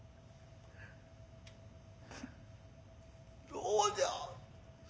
どうじゃ。